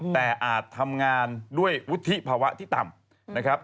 แต่อาจทำงานด้วยวุฒิภาวะที่ต่ำนะครับ